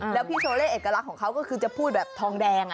แล้วพี่โชเล่เอกลักษณ์ของเขาก็คือจะพูดแบบทองแดง